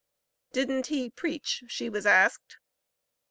Didn't he preach? she was asked.